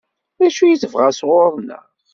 D acu i tebɣa sɣur-neɣ?